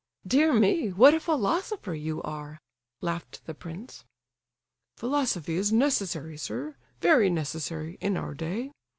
"Dear me, what a philosopher you are!" laughed the prince. "Philosophy is necessary, sir—very necessary—in our day.